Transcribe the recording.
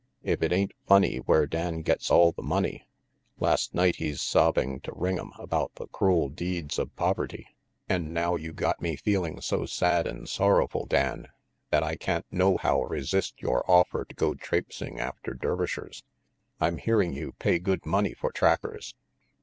"If it ain't funny where Dan gets all the money. Last night he's sobbing to Ring 'em about the crool deeds of poverty; and now you got me feeling so sad and sorrowful, Dan, that I can't nohow resist yore offer to go traipsing after Dervishers. I'm hearing you pay good money for trackers."